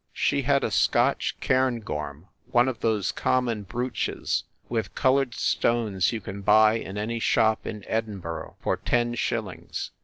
She had a Scotch cairngorm, one of those common brooches with colored stones you can buy in any shop in Edinburgh for ten shillings.